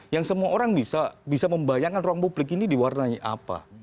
yang semua orang bisa membayangkan ruang publik ini diwarnai apa